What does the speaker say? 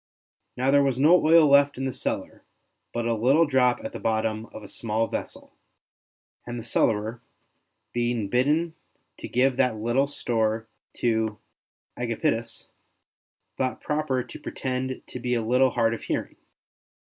Now there was no oil left in the cellar but a little drop at the bottom of a small vessel, and the cellarer, being bidden to give that little store to Agapitus, thought proper to pretend to be a little hard of hearing.